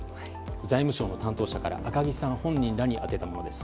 財務省の担当者から赤木さん本人らに宛てたものです。